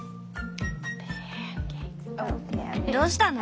どうしたの？